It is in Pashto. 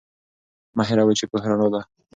مه هیروئ چې پوهه رڼا ده.